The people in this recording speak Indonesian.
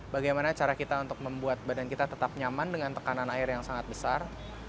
bagaimana cara kita untuk membuat badan kita tetap nyaman dengan tekanan air yang sangat besar